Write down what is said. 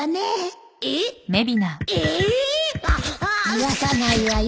逃がさないわよ。